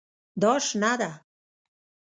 دا شنه ده